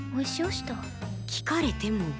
聞かれても。